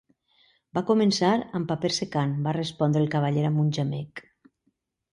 "Va començar amb paper secant", va respondre el Cavaller amb un gemec.